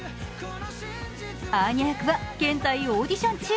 アーニャ役は、現在オーディション中。